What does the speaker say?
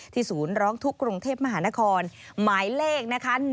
ศูนย์ร้องทุกข์กรุงเทพมหานครหมายเลขนะคะ